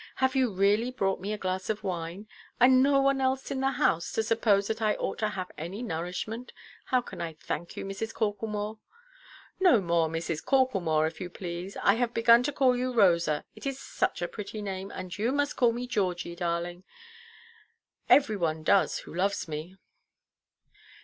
"Have you really brought me a glass of wine? And no one else in the house to suppose that I ought to have any nourishment! How can I thank you, Mrs. Corklemore?" "No more 'Mrs. Corklemore,' if you please. I have begun to call you 'Rosaʼ—it is such a pretty name—and you must call me 'Georgie,' darling. Every one does who loves me."